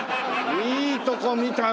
いいとこ見たね！